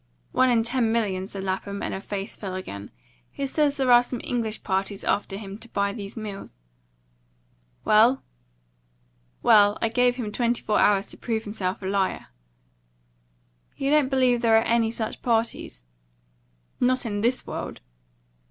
"One in ten million," said Lapham; and her face fell again. "He says there are some English parties after him to buy these mills." "Well?" "Well, I gave him twenty four hours to prove himself a liar." "You don't believe there are any such parties?" "Not in THIS world."